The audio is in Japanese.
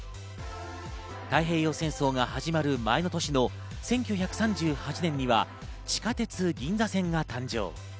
太平洋戦争が始まる前の年の１９３８年には、地下鉄銀座線が誕生。